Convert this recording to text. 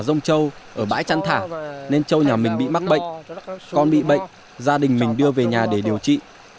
do thả rông châu ở bãi trăn thả nên châu nhà mình bị mắc bệnh con bị bệnh gia đình mình đưa về nhà để điều trị